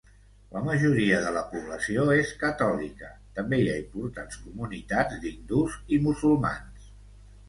La majoria de la població és catòlica, també hi ha importants comunitats d'hindús i musulmans.